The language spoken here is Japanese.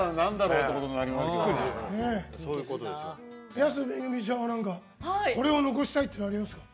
安めぐみちゃんはこれは残したいというのはありますか？